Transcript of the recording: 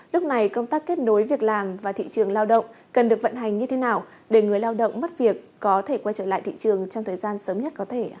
lúc này công tác kết nối việc làm và thị trường lao động cần được vận hành như thế nào để người lao động mất việc có thể quay trở lại thị trường trong thời gian sớm nhất có thể